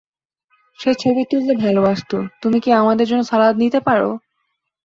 সে ছবি তুলতে ভালবাসত -তুমি কি আমাদের জন্য সালাদ নিতে পারো?